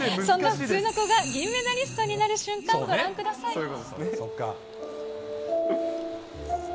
そんな普通の子が銀メダリストになる瞬間、ご覧ください。